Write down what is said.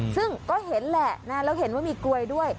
ซึ่งก็เห็นแหละแล้วเห็นว่ามีกลวยด้วย